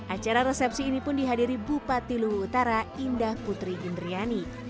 acara resepsi ini pun dihadiri bupati luhut utara indah putri indriani